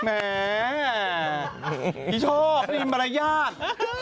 ไอ้ช่อเป็นบรรยาก